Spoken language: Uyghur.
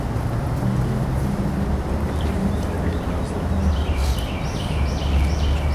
لېكىن، ئۇنىڭ نۇرغۇن ئېلېمېنتلىرى ھازىرمۇ مەۋجۇت.